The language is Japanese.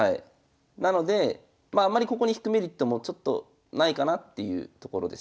なのでまああんまりここに引くメリットもちょっとないかなっていうところです。